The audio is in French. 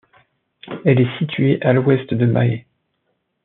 Elle est située à l'ouest de Mahé.